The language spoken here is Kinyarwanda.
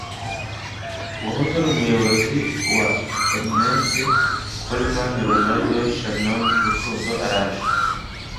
Uwahoze ari umuyobozi wa Ornette Coleman Ronald Shannon Rukundo araje